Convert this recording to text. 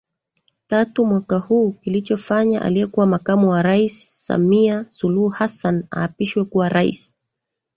tatu mwaka huu kilichofanya aliyekuwa Makamu wa Rais Samia Suluhu Hassan aapishwe kuwa Rais